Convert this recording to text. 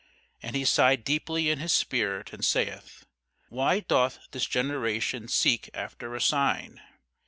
And he sighed deeply in his spirit, and saith, Why doth this generation seek after a sign?